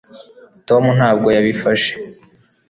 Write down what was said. tom ntabwo yabifashe